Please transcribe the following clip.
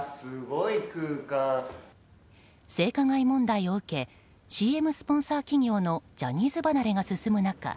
性加害問題を受けＣＭスポンサー企業のジャニーズ離れが進む中